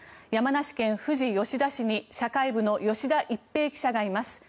山梨県富士吉田市に社会部の吉田一平記者がいます。